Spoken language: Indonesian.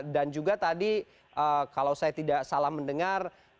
dan juga tadi kalau saya tidak salah mendengar